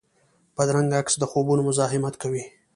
بدرنګه عکس د خوبونو مزاحمت کوي